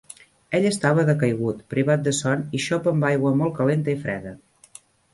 Ell estava decaigut, privat de son i xop amb aigua molt calenta i freda.